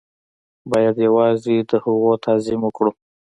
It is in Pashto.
بايد يوازې د هغو تعظيم وکړو.